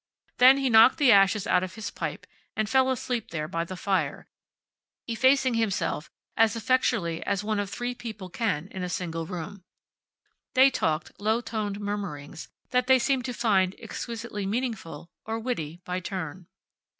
Then he knocked the ashes out of his pipe and fell asleep there by the fire, effacing himself as effectually as one of three people can in a single room. They talked; low toned murmurings that they seemed to find exquisitely meaningful or witty, by turn.